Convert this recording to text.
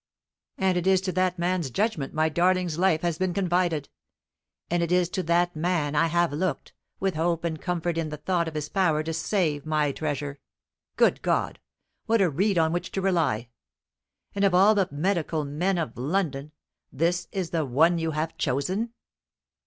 And it is to that man's judgment my darling's life has been confided; and it is to that man I have looked, with hope and comfort in the thought of his power to save my treasure! Good God! what a reed on which to rely! And of all the medical men of London, this is the one you have chosen!"